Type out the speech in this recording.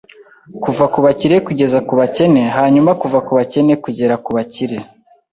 Kuva ku bakire kugeza ku bakene hanyuma kuva mu bakene kugera ku bakire